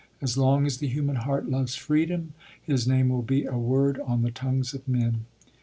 As long as the human heart loves freedom his name will be a word on the tongues of men.